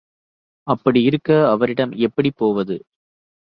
அப்படியிருக்க, அவரிடம் எப்படிப் போவது?